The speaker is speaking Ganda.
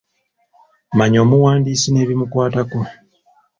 Manya omuwandiisi n'ebimukwatako.